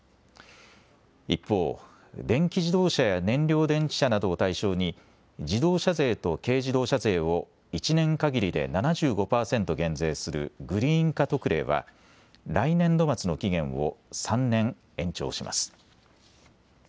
一方、電気自動車や燃料電池車などを対象に自動車税と軽自動車税を１年かぎりで７５％減税するグリーン化特例は来年度末の期限を３年延長します。